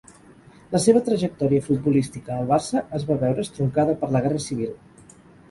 La seva trajectòria futbolística al Barça es va veure estroncada per la Guerra Civil.